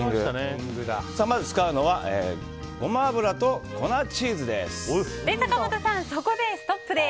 まず使うのはゴマ油と粉チーズです。